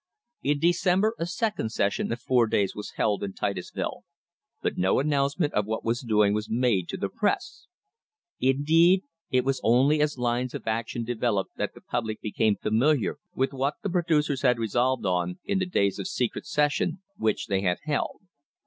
In December a second session of four days was held in Titusville, but no announcement of what was doing was made to the press. Indeed, it was only as lines of action developed that the public became familiar with what the producers had Iesolved on in the days of secret session which they had held.